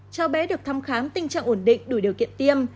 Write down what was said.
cháu bé được thăm khám tình trạng ổn định đủ điều kiện tiêm